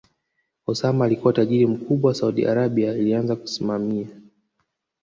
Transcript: Osama alikua tajiri mkubwa Saudi Arabia alianza kusimamia